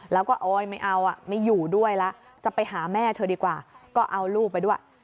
แล้วก็โอ๊ยไม่เอาอ่ะไม่อยู่ด้วยแล้วจะไปหาแม่เธอดีกว่าก็เอาลูกไปด้วย